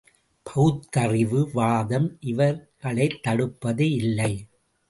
பகுத்தறிவு வாதம் இவர் களைத் தடுப்பது இல்லை.